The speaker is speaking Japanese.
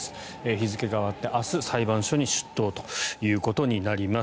日付が変わって明日、裁判所に出頭ということになります。